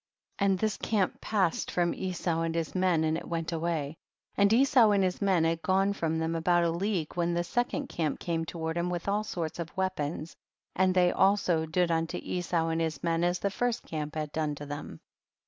34. And this camp passed from Esau and his men and it went away, and Esau and his men had gone from them about a league when the second camp came toward him with all sorts of weapons, and they also did unto Esau and his men as the first camp had done to them.